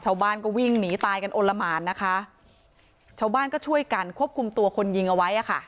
ชาวบ้านก็วิ่งหนีตายกันอลละหมานนะคะชาวบ้านก็ช่วยกันควบคุมตัวคนยิงเอาไว้อ่ะค่ะ